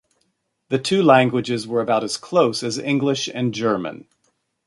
The two languages were about as close as English and German.